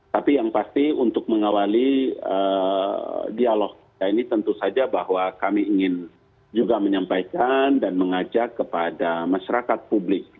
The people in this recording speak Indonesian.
tapi yang pasti untuk mengawali dialog kita ini tentu saja bahwa kami ingin juga menyampaikan dan mengajak kepada masyarakat publik